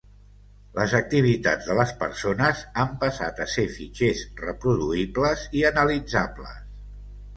Les activitats de les persones han passat a ser fitxers reproduïbles i analitzables.